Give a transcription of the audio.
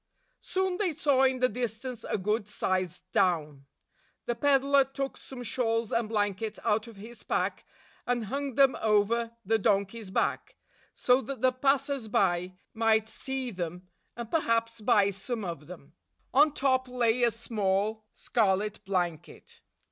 Soon they saw in the distance a good sized town. The peddler took some shawls and blankets out of his pack and hung them over the donkey's back, so that the passers by might see them, and perhaps buy some of them. On top lay a small scarlet blanket.